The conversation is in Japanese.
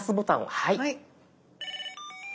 はい。